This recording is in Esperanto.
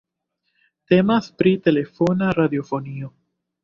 Temas pri telefona radiofonio.